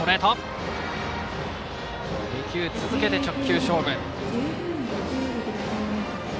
２球続けて直球勝負。